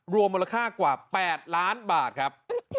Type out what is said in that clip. รวมมูลค่ากว่า๘ล้านบาทครับ